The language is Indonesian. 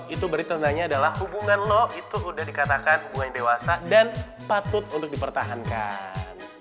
itu beritahunya adalah hubungan lo itu udah dikatakan dewasa dan patut untuk dipertahankan